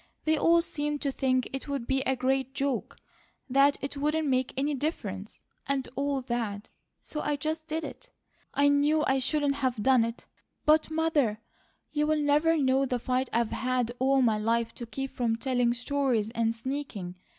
They all seemed to think it would be a great joke, that it wouldn't make any difference, and all that, so I just did it. I knew I shouldn't have done it; but, Mother, you'll never know the fight I've had all my life to keep from telling stories and sneaking.